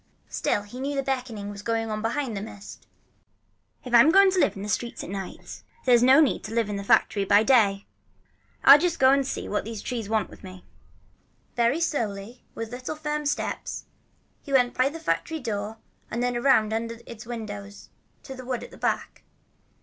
Still he knew the beckoning was going on behind the mist. "If I'm to live in the streets at night," he thought to himself, "there's no need to live in the factory by day. I'll just go and see what those trees want of me." Very slowly, with little firm steps, he went by the factory door, and then around under its windows to the wood at the back.